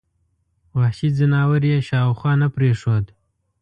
وحشي ځناور یې شاوخوا نه پرېښود.